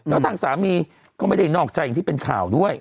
แล้วทางสามีก็ไม่ได้นอกใจอย่างที่เป็นข่าวด้วย